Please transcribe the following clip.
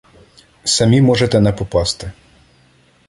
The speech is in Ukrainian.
Самі можете не попасти.